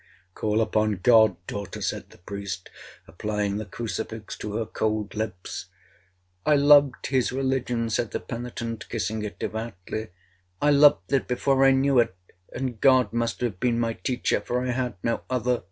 '—'Call upon God, daughter!' said the priest, applying the crucifix to her cold lips. 'I loved his religion,' said the penitent, kissing it devoutly, 'I loved it before I knew it, and God must have been my teacher, for I had no other!